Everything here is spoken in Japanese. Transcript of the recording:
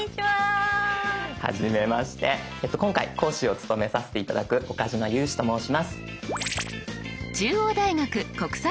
はじめまして今回講師を務めさせて頂く岡嶋裕史と申します。